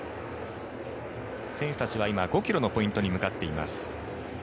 選手たちは今５ｋｍのポイントに向かっています。